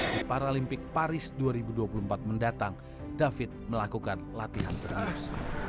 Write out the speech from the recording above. di paralimpik paris dua ribu dua puluh empat mendatang david melakukan latihan serius